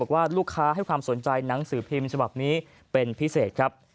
ว่าลูกค้าให้ความสนใจหนังสือพิมพ์ฉบับนี้เป็นพิเศษครับ